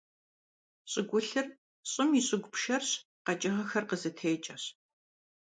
ЩӀыгулъыр - щӀым и щыгу пшэрщ, къэкӀыгъэхэр къызытекӀэщ.